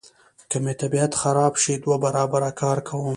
که مې طبیعت خراب شي دوه برابره کار کوم.